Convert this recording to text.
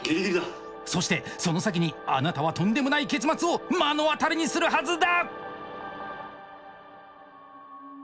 そしてその先にあなたはとんでもない結末を目の当たりにするはずだ！